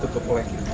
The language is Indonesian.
tutup oleh air